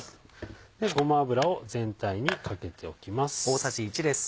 ごま油を全体にかけておきます。